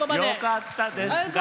よかったです。